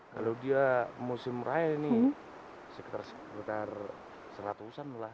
kalau dia musim raya ini sekitar seratusan lah